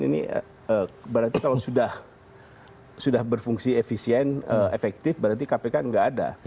ini berarti kalau sudah berfungsi efisien efektif berarti kpk nggak ada